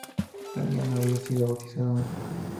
La niña no había sido bautizada aún.